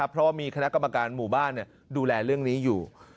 เพราะว่ามีคณะกรรมการหมู่บ้านดูแลเรื่องนี้อยู่